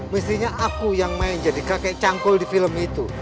mestinya aku yang main jadi kakek cangkul di film itu